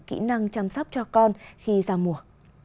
kỹ năng chăm sóc cho con khi giao mùa